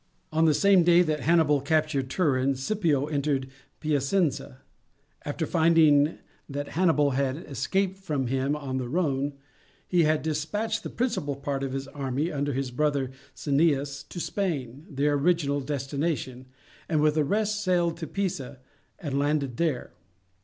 On the same day that Hannibal captured Turin, Scipio entered Piacenza. After finding that Hannibal had escaped him on the Rhone, he had despatched the principal part of his army, under his brother Cneius, to Spain, their original destination, and with the rest sailed to Pisa and landed there.